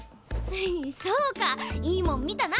そうかいいもん見たな！